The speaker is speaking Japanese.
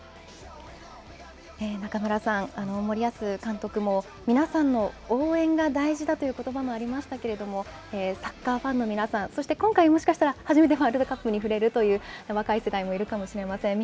中村さん、森保監督も皆さんの応援が大事だということばもありましたけれども、サッカーファンの皆さんそして、今回もしかしたら初めてワールドカップに触れるという若い世代もいるかもしれません。